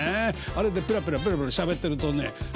でペラペラペラペラしゃべってるとね